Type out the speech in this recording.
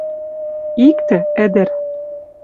Иктӹ, ӹдӹр